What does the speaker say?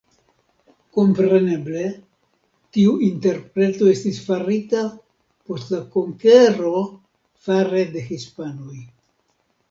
Kompreneble tiu interpreto estis farita post la konkero fare de hispanoj.